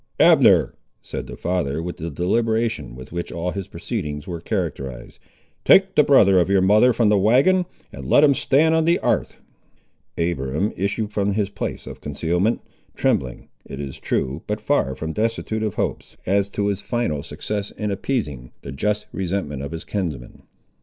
"Abner," said the father, with the deliberation with which all his proceedings were characterised, "take the brother of your mother from the wagon, and let him stand on the 'arth." Abiram issued from his place of concealment, trembling, it is true, but far from destitute of hopes, as to his final success in appeasing the just resentment of his kinsman.